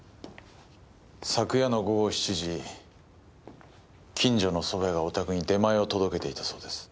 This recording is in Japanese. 昨夜の午後７時近所のそば屋がお宅に出前を届けていたそうです。